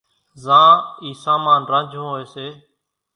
زان اِي سامان رانجھون ھوئي سي۔